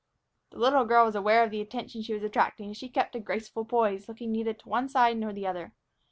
The little girl was aware of the attention she was attracting, and she kept a graceful poise, looking neither to one side nor the other.